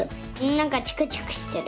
なんかチクチクしてる。